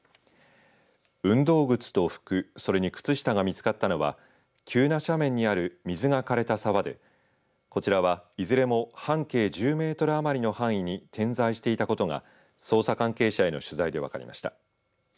運動靴と服それに靴下が見つかったのは急な斜面にある水がかれた沢でこちらはいずれも半径１０メートル余りの範囲に点在していたことが捜査関係者への取材で分かりました。